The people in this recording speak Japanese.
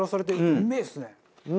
うめえっすね！